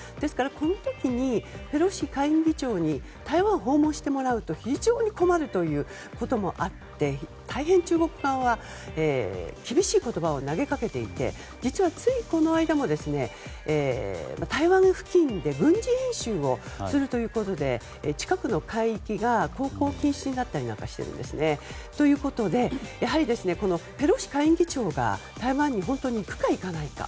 この時にペロシ下院議長に台湾を訪問してもらうと非常に困るということもあって大変中国側は厳しい言葉を投げかけていてついこの間も台湾付近で軍事演習をするということで近くの海域が航行禁止になったりしてるんですね。ということで、やはりペロシ下院議長が台湾に本当に行くか行かないか。